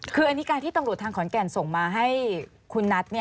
คืออันนี้การที่ตำรวจทางขอนแก่นส่งมาให้คุณนัท